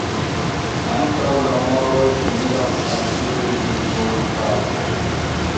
Ankaŭ la moroj similas al tiuj de turfalko.